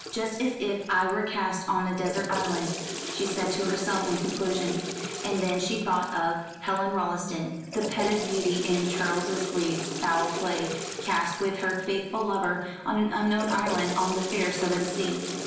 Just as if I were cast on a desert island," she said to herself in conclusion; and then she thought of Helen Rolleston, the petted beauty in Charles Reade's "Foul Play," cast with her faithful lover on an unknown island of the fair southern sea.